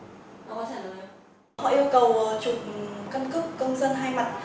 họ yêu cầu chụp căn cức công dân hai mặt